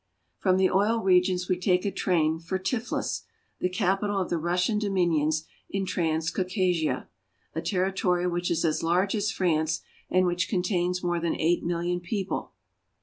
From the oil regions we take a train for Tiflis, the capi tal of the Russian dominions in Transcaucasia, a territory which is as large as France, and which contains more than eight million people.